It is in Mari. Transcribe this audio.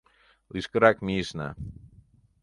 Лишкырак мийышна.